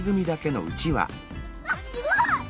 わっすごい！